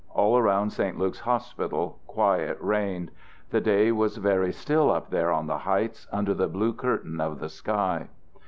All round St. Luke's Hospital quiet reigned. The day was very still up there on the heights under the blue curtain of the sky.